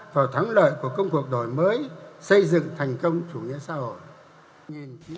vào thắng lợi của công cuộc đổi mới xây dựng thành công chủ nghĩa xã hội